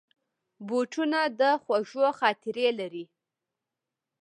بوټونه د خوږو خاطرې لري.